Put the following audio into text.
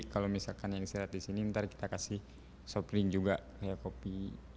kalau misalkan yang saya lihat di sini nanti kita kasih soft drink juga kopi